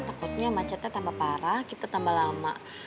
takutnya macetnya tambah parah kita tambah lama